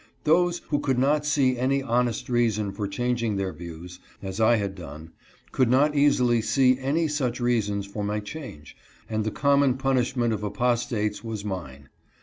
Those who could not see any honest reasons for changing their views, as I had done, could not easily see any such reasons for my change, and the common punishment of apostates was mine.